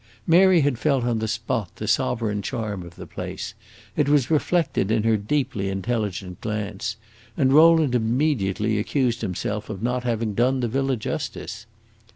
Mary had felt on the spot the sovereign charm of the place; it was reflected in her deeply intelligent glance, and Rowland immediately accused himself of not having done the villa justice.